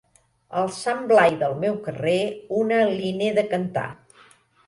Al sant Blai del meu carrer, una li n'he de cantar.